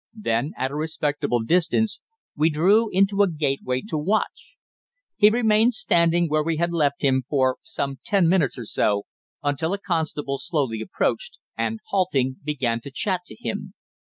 Then, at a respectable distance, we drew into a gateway to watch. He remained standing where we had left him for some ten minutes or so, until a constable slowly approached, and, halting, began to chat to him.